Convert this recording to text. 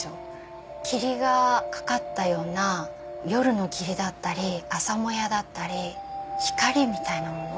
霧がかかったような夜の霧だったり朝もやだったり光みたいなもの。